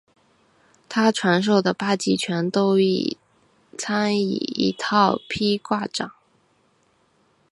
他传授的八极拳都参以一套劈挂掌。